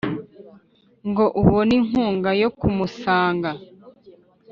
Ngo ubone inkunga yo kumusanga.